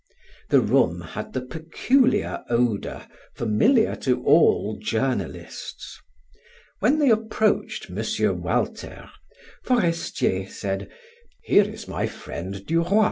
The room had the peculiar odor familiar to all journalists. When they approached M. Walter, Forestier said: "Here is my friend Duroy."